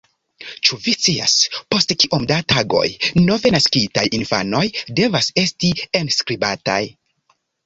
Ĉu vi scias, post kiom da tagoj nove naskitaj infanoj devas esti enskribataj?